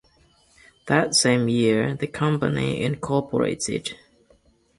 That same year the company incorporated.